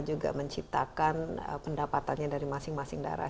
juga menciptakan pendapatannya dari masing masing daerah